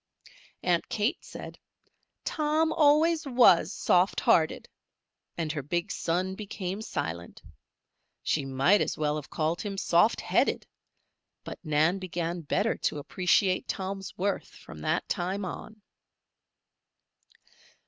Aunt Kate said: "Tom always was soft hearted," and her big son became silent. She might as well have called him "soft headed"; but Nan began better to appreciate Tom's worth from that time on.